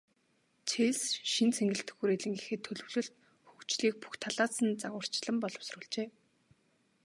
Челси шинэ цэнгэлдэх хүрээлэнгийнхээ төлөвлөлт, хөгжлийг бүх талаас нь загварчлан боловсруулжээ.